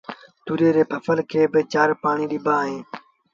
تُوريئي ري ڦسل کي با چآر پآڻيٚ ڏبآ اهيݩ